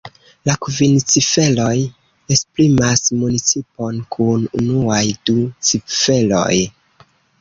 La kvin ciferoj esprimas municipon kun unuaj du ciferoj.